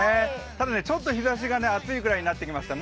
ただ、ちょっと日ざしが暑いぐらいになってきました。